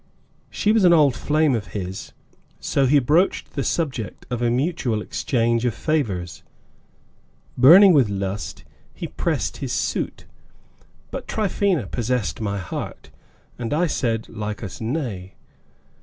She was an old flame of his, so he broached the subject of a mutual exchange of favors. Burning with lust, he pressed his suit, but Tryphaena possessed my heart, and I said Lycas nay.